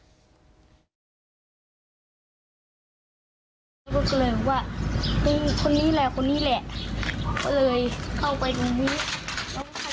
ก็เลยว่าเป็นคนนี้แหละคนนี้แหละก็เลยเข้าไปตรงนี้แล้วก็ขยับมา